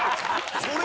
それ！？